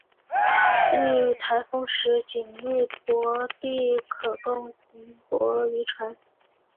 遇台风时仅内泊地可供停泊渔船。